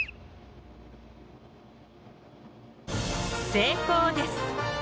成功です。